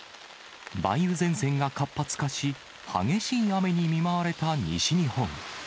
梅雨前線が活発化し、激しい雨に見舞われた西日本。